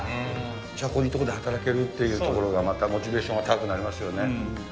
じゃこういう所で働けるってところがまたモチベーションが高くなりますよね。